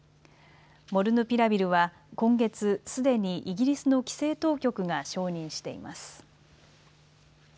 モルヌピラビルは今月、すでにイギリスの規制当局が承認しています。